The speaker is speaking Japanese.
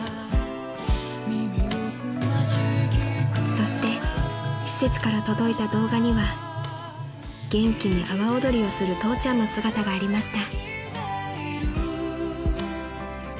［そして施設から届いた動画には元気に阿波踊りをする父ちゃんの姿がありました］